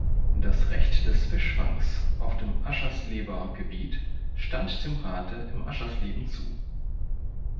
Das Recht des Fischfangs auf dem Aschersleber Gebiet stand dem Rate in Aschersleben zu.